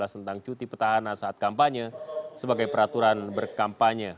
tentang cuti petahana saat kampanye sebagai peraturan berkampanye